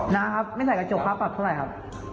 นะครับไม่ใส่กระจกค่าปรับเท่าไหร่ครับ